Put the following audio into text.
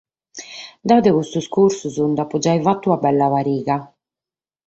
Deo de custos cursos nd’apo giai fatu una bella pariga.